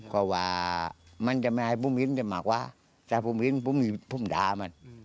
ก็ว่ามันจะมาให้ผมเห็นน่ะค่ะถ้าผมเขาเพิ่มด่ามั้น